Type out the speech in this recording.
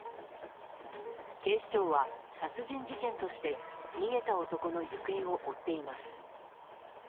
警視庁は殺人事件として逃げた男の行方を追っています。